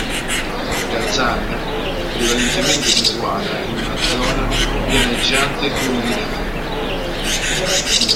Kazan' è prevalentemente situata in una zona pianeggiante-collinare.